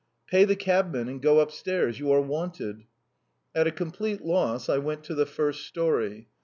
Pay the cabmen and go upstairs. You are wanted!" At a complete loss, I went to the first storey.